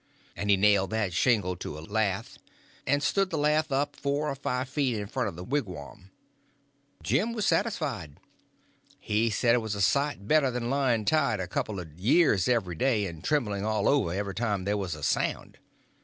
_ And he nailed that shingle to a lath, and stood the lath up four or five foot in front of the wigwam. Jim was satisfied. He said it was a sight better than lying tied a couple of years every day, and trembling all over every time there was a sound.